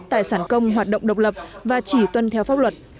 tài sản công hoạt động độc lập và chỉ tuân theo pháp luật